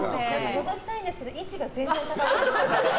のぞきたいんですけど位置が全然。